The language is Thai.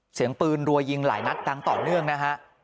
เสียงปืนรัวยิงหลายนัดดังต่อเนื่องนะฮะ